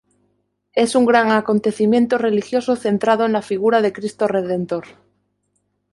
Es un gran acontecimiento religioso centrado en la figura de Cristo Redentor.